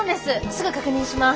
すぐ確認します。